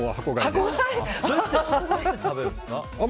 どうやって食べるんですか？